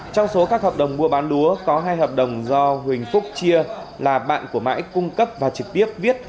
trong số các hợp đồng mua bán lúa có hai hợp đồng do huỳnh phúc chia là bạn của mãi cung cấp và trực tiếp viết